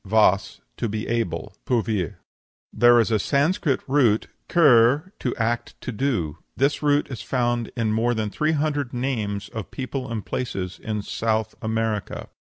| Vas, to be able (pouvoir). |+++ "There is a Sanscrit root, kr, to act, to do: this root is found in more than three hundred names of peoples and places in Southern America.